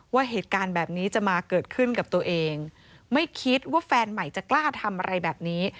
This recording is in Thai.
ว่าเหตุการณ์แบบนี้จะมาเกิดขึ้นกับตัวเองไม่คิดว่าแฟนใหม่จะกล้าทำอะไรแบบนี้